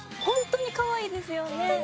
本当に可愛いですよね。